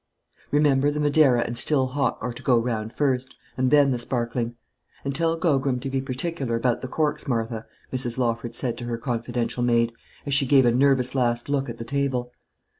"Remember the Madeira and still Hock are to go round first, and then the sparkling; and tell Gogram to be particular about the corks, Martha," Mrs. Lawford said to her confidential maid, as she gave a nervous last look at the table.